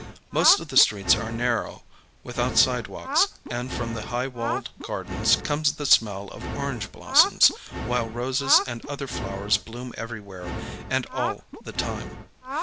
Most of the streets are narrow, without sidewalks, and from the high walled gardens comes the smell of orange blossoms, while roses and other flowers bloom everywhere and all the time.